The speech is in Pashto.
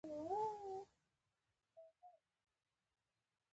عثمان جان وویل: یار ګلداد ماما یو څه نه څه پولې شته.